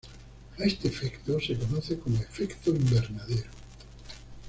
A este efecto se conoce como efecto invernadero.